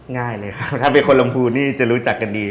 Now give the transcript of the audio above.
ง่ายเลยครับถ้าเป็นคนลำพูนี่จะรู้จักกันดี